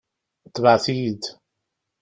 Tebɛet-iyi-d.